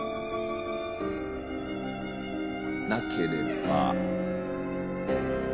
なければ。